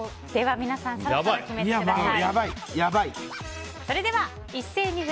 皆さんそろそろ決めてください。